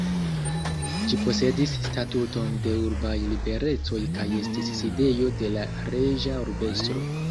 Ĝi posedis statuton de urbaj liberecoj kaj estis sidejo de la reĝa urbestro.